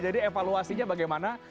jadi evaluasinya bagaimana